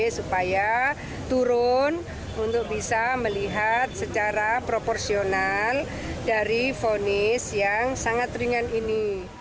supaya turun untuk bisa melihat secara proporsional dari vonis yang sangat ringan ini